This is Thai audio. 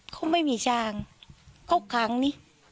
เขาไม่มีช่างเขาขังนี่